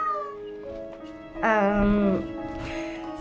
itu aja untuk kontrakan dibayar sama si dandi